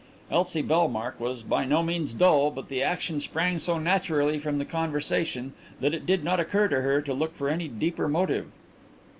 Elsie Bellmark was by no means dull but the action sprang so naturally from the conversation that it did not occur to her to look for any deeper motive.